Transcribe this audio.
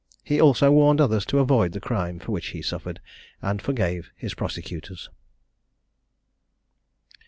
He also warned others to avoid the crime for which he suffered, and forgave his prosecutors.